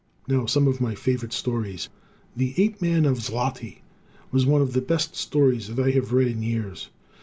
Now some of my favorite stories. "The Ape Men Of Xlotli" was one of the best stories that I have read in years.